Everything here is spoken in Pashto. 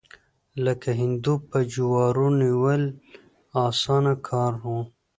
لکه هندو په جوارو نیول، اسانه کار و.